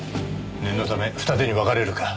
念のため二手に分かれるか。